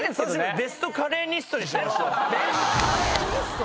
ベストカレーニストにしましょう。